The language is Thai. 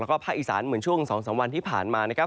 แล้วก็ภาคอีสานเหมือนช่วง๒๓วันที่ผ่านมานะครับ